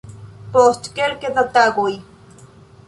Post kelke da tagoj.